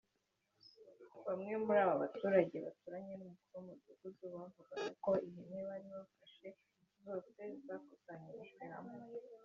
Bamwe muri aba baturage baturanye n’umukuru w’umudugudu bavugaga ko ihene bari bafashe zose zakusanyirijwe hamwe